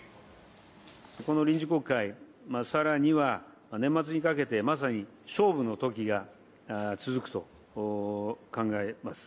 この臨時国会、さらには年末にかけて、まさに勝負のときが続くと考えます。